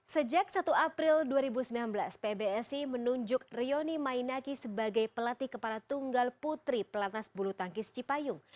sejak satu april dua ribu sembilan belas pbsi menunjuk rioni mainaki sebagai pelatih kepala tunggal putri pelatnas bulu tangkis cipayung